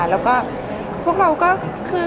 แล้วก็พวกเราก็คือ